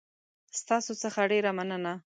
ستاسو څخه ډېره مننه